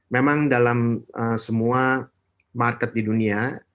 memang dalam semua market di dunia